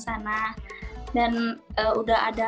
udah ada waktu cuti juga di tanggal segitu